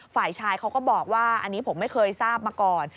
ฝ่ายชายเขาก็บอกว่าอันนี้ผมไม่เคยทราบมาก่อน